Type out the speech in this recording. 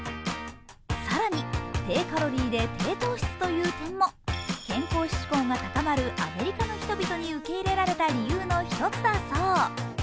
更に低カロリーで低糖質という点も健康志向が高まるアメリカの人々に受けいられた理由の１つだそう。